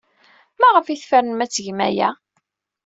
Maɣef ay tfernem ad tgem aya?